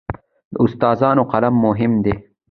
د استادانو قلم مهم دی.